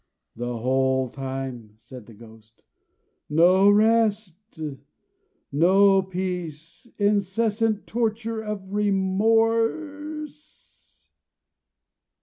"The whole time," said the Ghost. "No rest, no peace. Incessant torture of remorse."